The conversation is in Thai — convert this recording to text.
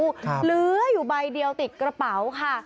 เหลืออยู่ใบเดียวติดกระเป๋าค่ะ